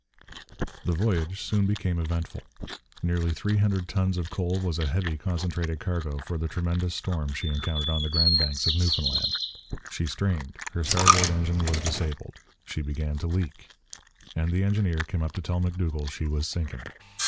The voyage soon became eventful. Nearly three hundred tons of coal was a heavy concentrated cargo for the tremendous storm she encountered on the Grand Banks of Newfoundland. She strained; her starboard engine was disabled; she began to leak; and the engineer came up to tell M'Dougall she was sinking.